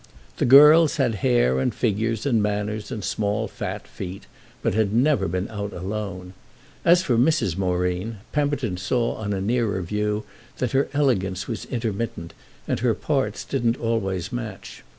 The girls had hair and figures and manners and small fat feet, but had never been out alone. As for Mrs. Moreen Pemberton saw on a nearer view that her elegance was intermittent and her parts didn't always match.